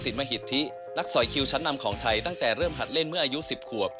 มหิทธินักสอยคิวชั้นนำของไทยตั้งแต่เริ่มหัดเล่นเมื่ออายุ๑๐ขวบ